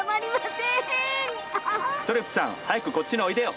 とりっぷちゃん早くこっちにおいでよ。